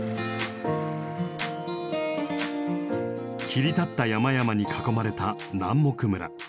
切り立った山々に囲まれた南牧村。